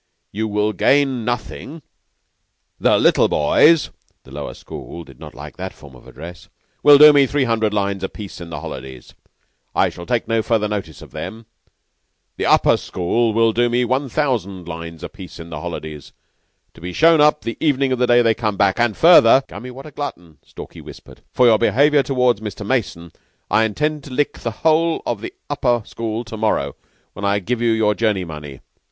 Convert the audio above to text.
You will gain nothing. The little boys (the Lower School did not like that form of address) will do me three hundred lines apiece in the holidays. I shall take no further notice of them. The Upper School will do me one thousand lines apiece in the holidays, to be shown up the evening of the day they come back. And further " "Gummy, what a glutton!" Stalky whispered. "For your behavior towards Mr. Mason I intend to lick the whole of the Upper School to morrow when I give you your journey money.